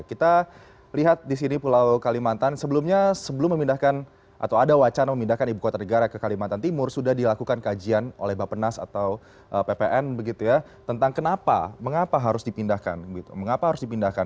kita lihat di sini pulau kalimantan sebelumnya sebelum memindahkan atau ada wacana memindahkan ibu kota negara ke kalimantan timur sudah dilakukan kajian oleh bapenas atau ppn tentang kenapa mengapa harus dipindahkan